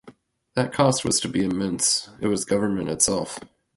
That cost was to be immense-it was government itself.